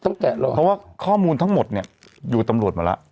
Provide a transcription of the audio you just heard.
แกะรอยเพราะว่าข้อมูลทั้งหมดเนี่ยอยู่กับตำรวจมาแล้ว